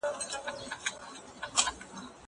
زه ليکنه کړې ده.